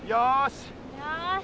よし。